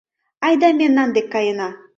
— Айда мемнан дек каена!